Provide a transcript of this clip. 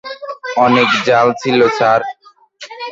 অনেক ঝাল ছিলো, স্যার?